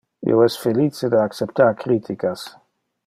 Io es felice de acceptar criticas.